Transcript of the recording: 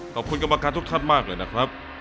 ขอบคุณกรรมการทุกท่านมากเลยนะครับ